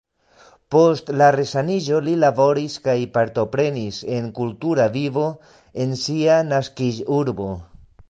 Post la resaniĝo li laboris kaj partoprenis en kultura vivo en sia naskiĝurbo.